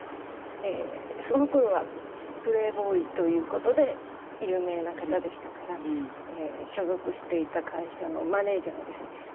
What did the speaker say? その頃はプレーボーイという事で有名な方でしたから所属していた会社のマネジャーがですね